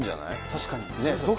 確かに。